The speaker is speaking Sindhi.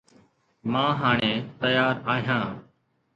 مان هاڻي تيار آهيان